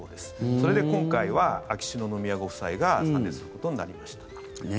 それで今回は秋篠宮ご夫妻が参列することになりました。